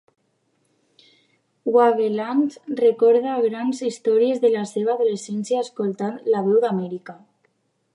"Wavelength" recorda grans històries de la seva adolescència, escoltant la "Veu d'Amèrica".